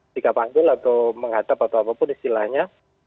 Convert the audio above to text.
jika panggil atau menghadap atau apapun istilahnya